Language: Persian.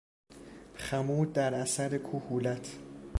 خمود در اثر کهولت